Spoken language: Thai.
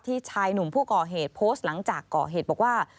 ชายหนุ่มผู้ก่อเหตุโพสต์หลังจากก่อเหตุบอกว่า